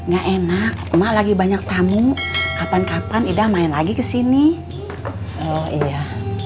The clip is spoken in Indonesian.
gak enak ema lagi banyak tamu kapan kapan sudah main lagi kesini oh iya